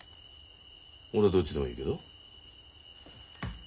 俺はどっちでもいいけど。